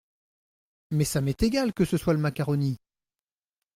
Mais ça m’est égal que ce soit le macaroni !